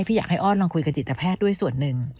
พี่อยากให้อ้อนลองคุยกับจิตแพทย์ด้วยส่วนหนึ่ง